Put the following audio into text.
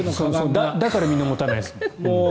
だからみんな入れないんですよ。